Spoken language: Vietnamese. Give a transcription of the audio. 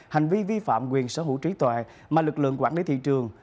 hành vi vi phạm quyền sở hữu trí tuệ mà lực lượng quản lý thị trường